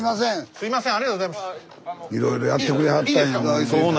スタジオいろいろやってくれはったんやもう。